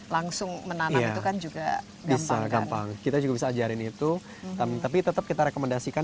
langsung menanamkan juga bisa gampang kita juga bisa ajarin itu tapi tetap kita rekomendasikan